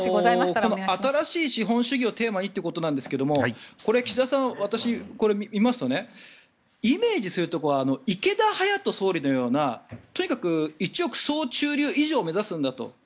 この新しい資本主義をテーマにということですが岸田さん、私、これ見ますとイメージするところは池田勇人総理のようなとにかく一億総中流以上を目指すんだと。